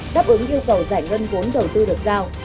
đáp ứng yêu cầu giải ngân vốn đầu tư được giao